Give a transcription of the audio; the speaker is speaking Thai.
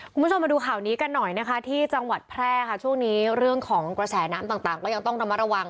คุณผู้ชมมาดูข่าวนี้กันหน่อยนะคะที่จังหวัดแพร่ค่ะช่วงนี้เรื่องของกระแสน้ำต่างก็ยังต้องระมัดระวัง